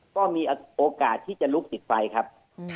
ก็มีโอกาสที่จะลุกติดไฟครับ